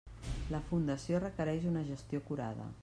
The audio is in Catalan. La fundació requereix una gestió acurada.